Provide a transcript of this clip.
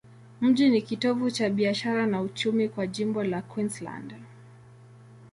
Mji ni kitovu cha biashara na uchumi kwa jimbo la Queensland.